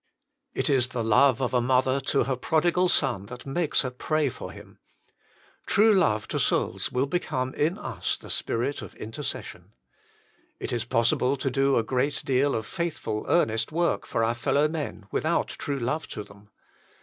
It is the love of a mother to her prodigal son that makes her pray for him. True love to souls will become in us the spirit of intercession. It is possible to do a great deal of faithful, earnest work for our fellowmen without true love to them.